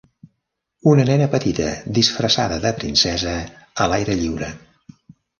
Una nena petita disfressada de princesa a l'aire lliure.